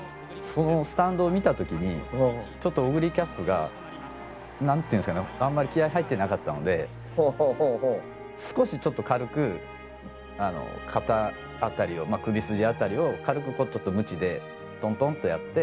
そのスタンドを見た時にちょっとオグリキャップが何ていうんですかねあんまり気合い入ってなかったので少しちょっと軽く肩辺りをまあ首筋辺りを軽くこうちょっとムチでトントンとやって。